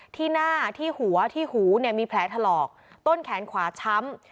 ที่หน้าที่หัวที่หูเนี่ยมีแผลถลอกต้นแขนขวาช้ำ